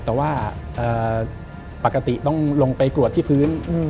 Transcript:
แต่ว่าปกติต้องลงไปกรวดที่พื้น